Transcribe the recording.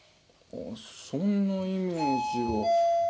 そんなイメージは。